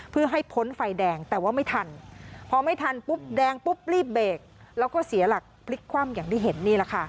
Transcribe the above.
เพื่อให้พ้นไฟแดงแต่ว่าไม่ทันพอไม่ทันปุ๊บแดงปุ๊บรีบเบรกแล้วก็เสียหลักพลิกคว่ำอย่างที่เห็นนี่แหละค่ะ